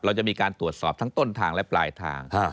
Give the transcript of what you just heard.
เราจะมีการตรวจสอบทั้งต้นทางและปลายทาง